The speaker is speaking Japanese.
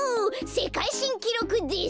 せかいしんきろくです。